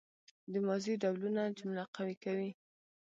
د ماضي ډولونه جمله قوي کوي.